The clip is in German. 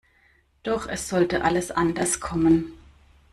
Doch es sollte alles anders kommen.